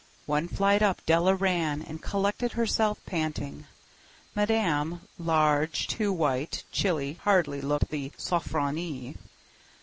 One flight up Della ran, and collected herself, panting. Madame, large, too white, chilly, hardly looked the "Sofronie."